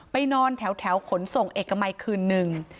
นอนแถวขนส่งเอกมัยคืนนึง